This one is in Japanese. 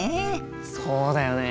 そうだよね。